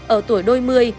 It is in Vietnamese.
ở tuổi đôi mươi